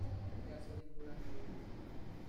That's really cool and original.